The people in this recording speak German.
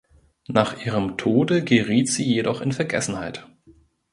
Nach ihrem Tode geriet sie jedoch in Vergessenheit.